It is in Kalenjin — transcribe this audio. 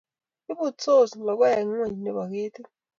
Ibutsot logoek ingweny nebo ketit